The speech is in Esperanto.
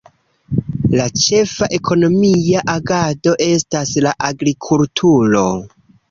La ĉefa ekonomia agado estas la agrikulturo.